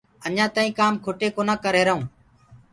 اجآنٚ تآئيٚنٚ ڪآم کٽي ڪونآ ڪرريهرآئونٚ